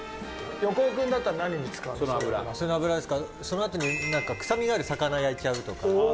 横尾：そのあとに、なんか臭みのある魚、焼いちゃうとか。